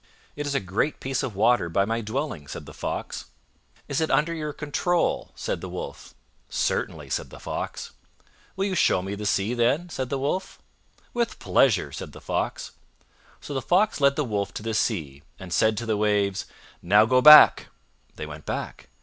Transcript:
"It is a great piece of water by my dwelling," said the Fox. "Is it under your control?" said the Wolf. "Certainly," said the Fox. "Will you show me the Sea, then?" said the Wolf. "With pleasure," said the Fox. So the Fox led the Wolf to the Sea and said to the waves, "Now go back"—they went back!